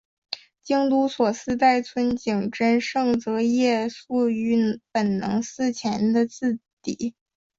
京都所司代村井贞胜则夜宿于本能寺前的自邸。